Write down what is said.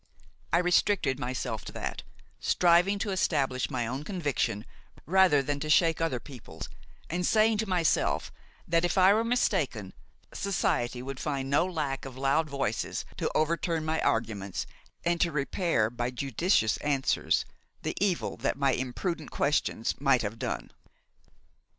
I restricted myself to that, striving to establish my own conviction rather than to shake other people's, and saying to myself that, if I were mistaken, society would find no lack of loud voices to overturn my arguments and to repair by judicious answers the evil that my imprudent questions might have done.